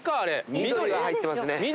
緑が入ってますね。